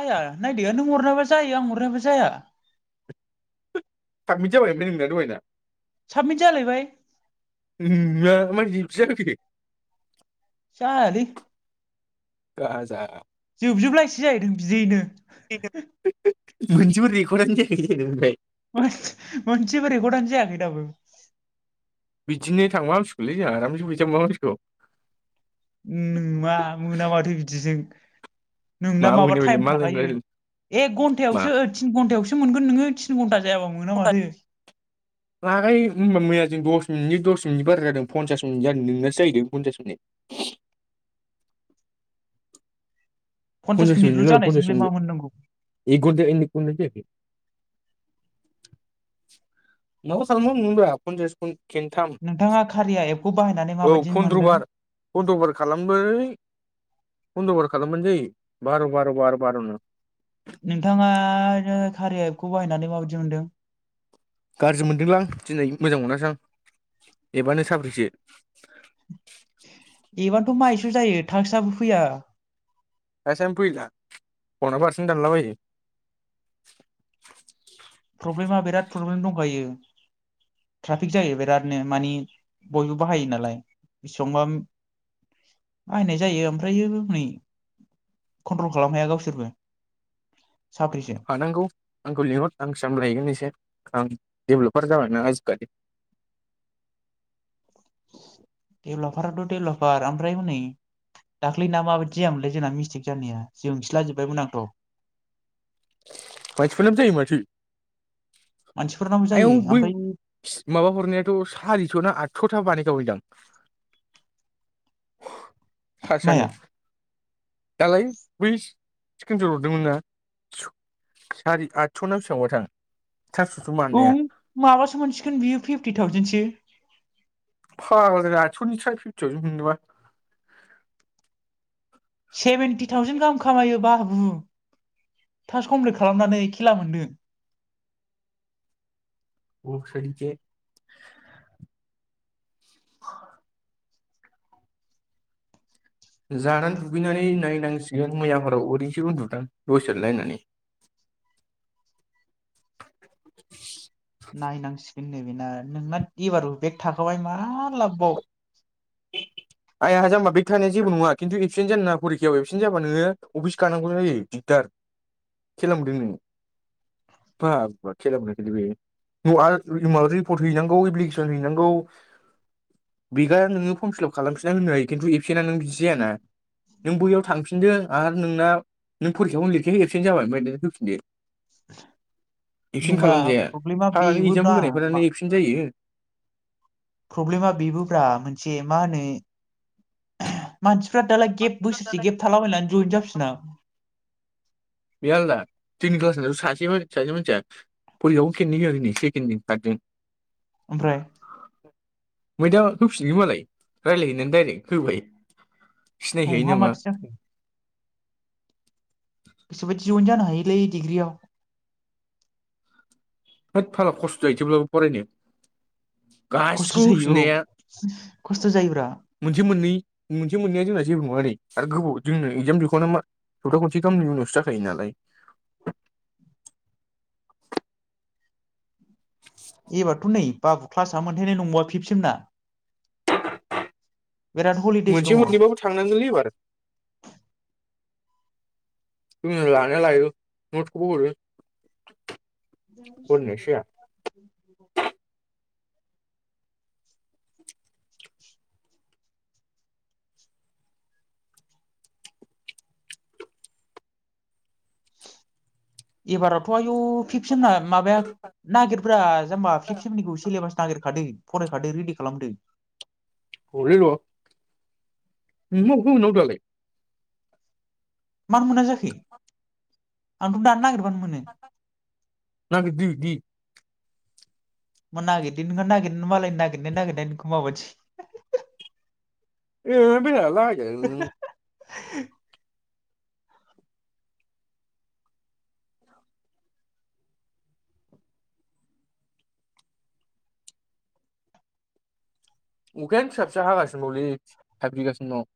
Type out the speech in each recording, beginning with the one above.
आइया नायदो नों हरनायाबा जायो आं हरनायाबा जाया। साबमित जाबाय ओमफ्राय नोंनिया दहायना साबमिट जालायबाय [unintelligible] जायालै गाजा जोबजोबलायसै जाहैदों बिदियैनो मोनसेबो रेखदानो जायाखै ओमफ्राय मोन मोनसेबो रेखरद'आनो जायाखै दाबो बिदिनो थांबा हसिगौलै जोंहा आरामसे फैसा मोनबा हामसिगौ [unintelligible] माथो बिदिजों मा नोंना माबा मोना बेलाय टाइम मालायनि थाखायो रायलाय एक मा घन्टायावसो तिन घन्टायावसो मोनगोन नोङो तिन घन्टा जायाबा मोना माथो लागाय होमबा मैया जों दस मिनिटनि दस मिनिटनि बारा जादों पन्सास मिनिट जादों नोंनासो जाहैदों पन्सास मिनिट पन्सास मिनिटल' मिनि पसास जानायजोंलाय मा मिद मोननांगौ एग घन्टा एख घन्टा जायाखै न सालम मोनोबा आ [unintelligible] खेनथाम नोंथाङा खारिया एपखौ बाहायनानै औ माबायदि मोनदों पन्द्रबार फन्द्रबार खालाम बै फन्द्रबार खालाम मोनजै बार बार' बार बारनो बेखौ बाहायनानै माबायदि मोनदों? गाज्रि मोनदोंलांं दिनै मोजां मोनासै आं एबानो [inaudible] एबथ' माइसो जायो थांसाबो फैया थासानो फैला पनाबो हारसिं नो दानला बायो। प्रब्लेमा बिराद प्रब्लेम दंखायो ट्राफिक जायो बिरादनो मानि बयबो बाहायो नालाय बेसेबांबा बाहायनाय जायो ओमफ्रायो हनै कन्ट्रल खालाम हाया गावसोरबो साब्रैसो हानांगौ आंखौ लिंहर आसाम लायगोन एसे आं डेभेलपार जाबायना आजिखालि डेभलपाराथ' डेभलपार ओमफ्राय हनै दाख्लै ना माबायदि जायामोनलाय जोंना मिस्टेक जानाया जोंसिला जोबबायमोन आंथ' मानसिफ्रानो फोयो माथो। मानसिफोरनाव आयं जायो बै ओमफ्राय सि माबा हरनायाथ' सारिस' ना आठस'था बानाय जैदां थसानो माया दालाय बै सिख्रिनसथ ज हरदोंमोन स सारि आठस'ना बेसेबांबा थां औ माबासो मोनसिगोन बियो फिफ्टि थावजेनसो फागला आस'नि फिफ्टि टावजेन मोनो नामा। सेभेेनटि थावजेेन गाहाम खामायोबा उम थास खमफ्लेट खालामनानै खेला मोनदों [unintelligible] जानानै दुगैनानै नायनांसिगोन मैयाफोराव ओरैसो उन्दुां दसे नायनानै नाय नां दो बेना नोंना एबारबो बेग थाखाबाय मा लाबबाव आया जाम्बा बेख थानाया जेबो नङा खिन्थु एबसेन्ट जानो नाङा फरिखायाव एबसेन्ट जाबा नोङो अफिस गानांगौ जायो दिगदार [inaudible] मोनदों नोङो बा बा [inaudible] बियो ना रिपर्ट हैनांगौ एफ्लिकेसन हैनांगौ बिगार नोङो फर्म फिल खालामफिनना होनो हायो खिन्थु एबसेन्टआ नों बिदि जायाना नों बैयाव थांफिनदो आरो नोंना नों फरिखाखौनो लिरखिहाय एबसेन्ट जाबाय ओमफ्राय नों होफिनदो एक्सिन्ट नङा खालामजाया प्रब्लेमा [inaudible] बेबो एगजाम ना होग्रायफोरानो एक्सिन्ट जायो। प्रब्लेमा बेबोब्रा मोनसे मा होनो मानसि दालाय बोसोरसे गेब थलाबायनानै जजाब [unintelligible] बे आलादा जोंनि क्लासनिथ' सासे सासे मानसिया परिखाखौनो खेनै होया खैनो सेकेणडजों थार्दजों ओमफ्राय मैदा होफिनगोन मालाय रायज्लायहैनानै डायरेक्ट होबाय। उ सिनायखायो हा नामा माथो जाखो बायदि जइन जानो हायोलै दिग्रियाव हैद फाग्ला खस्थ' जायो थेवब्लाबो फरायनो खस्थ' गासिखौबो जायो औ होफिनाया खस्थ' जायोब्रा मोनसे मोननै मोनसे मोननैया जोंना जेबो नङा आदै आरो गोबाव जोंनो इगजाम जोबखांना मा सप्ता खनसे गाहामनि उनावसो जाखायो नालाय ओम एबारथ' नै बाबु क्लासान मोनहैनाय नंला फिफ्थ सेम ना मोनसे मोननैबाबो थांनांगोनलै एबार जों लानाया लायो नथखौबो हरो हरनायासो जाया ओम औ एबारावथ' आयु फिफ सेम ना माबाया नागिरब्रा जामबा फिफ सेमनिखौ सिलेबास नागिरखादो फरायखादो रेडि खालामदो र' लै र' [unintelligible] दालाय मानो मोना जाखै आंथ' दानो नागिर ना बिबदि बिबदि मा नागिरदों नोंहा नागिरनो मालाय नागिरनाय नागिरनाय नोंखौ माबादि [unintelligible] [unintelligible] उखायनो फिसा फिसा हागासिनो बावलै थायफ्रिगासिनो दं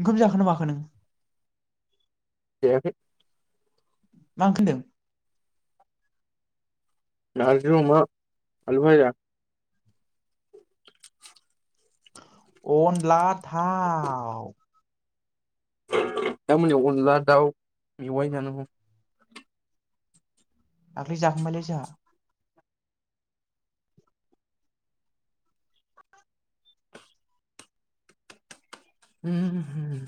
ओंखाम जाखोन ना माखो नों जायाखै मा ओंख्रिहोनदों? नार्जिजों अमा आलु फाजा अनला थाव दा मोनायाव अनला दाव मेवाय जानांगौ दाख्लै जाखांबायालै जाहा ओम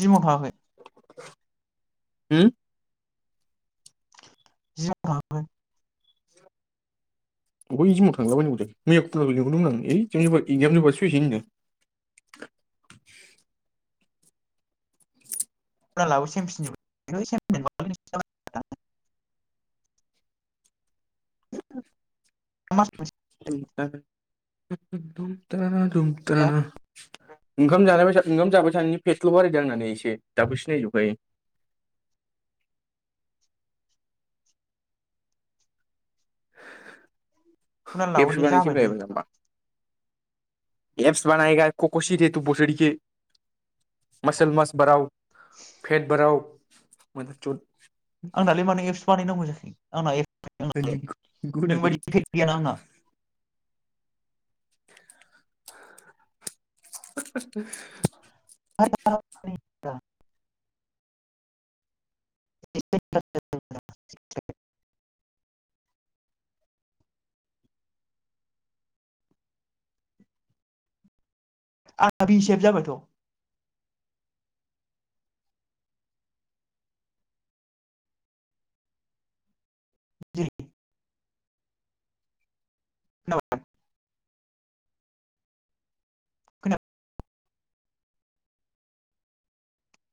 जिमाव थांआखै होम जिमाव थांआखै बबै जिमाव थांलाबाय नांगौ जाखो मैया [unintelligible] लिंहरदोंमोन आं ओइ [unintelligible] एकजाम जोबा फैसै होनदो [unintelligible] [unintelligible] [unintelligible] [unintelligible] ओंखाम जानायबायसा ओंखाम जाबाय थानानै पेक्सल' बारायदों आंना नै एसे दाबो सिनायजोबखायो खुना एबसुब लाबोदो जाबायलै बानायसैब्रा [unintelligible] एप्स बानायईगा कक'शिटे [unintelligible] मसल मस बारउ फेट बाराव ओम आंनालाय माने एप्स बानायनांगौ जाखै आंना ए फाय आंना लाय नों बायदि फेख गैयाना आंना। [unintelligible] [unintelligible] [unintelligible] आंना भिशेब जाबायथ'। जेरि खोनाबाय खोनाप